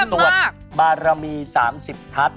สวดบารมี๓๐ทัศน์